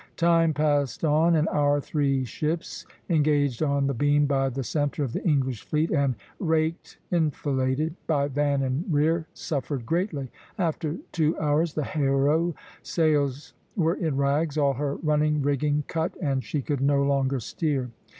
"Time passed on, and our three ships [B, a], engaged on the beam by the centre of the English fleet and raked [enfiladed] by van and rear, suffered greatly. After two hours the 'Héros'' sails were in rags, all her running rigging cut, and she could no longer steer.